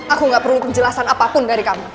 aku gak perlu penjelasan apapun dari kamu